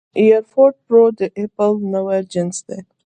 اېرفوډ پرو د اېپل نوی جنس دی